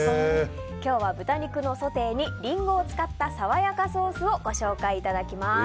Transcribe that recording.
今日は豚肉のソテーにリンゴを使った爽やかソースをご紹介いただきます。